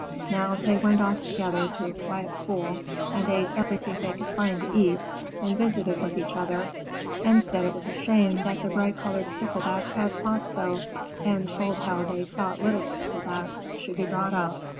Now they went off together to a quiet pool and ate everything they could find to eat, and visited with each other, and said it was a shame that the bright colored Sticklebacks had fought so, and told how they thought little Sticklebacks should be brought up.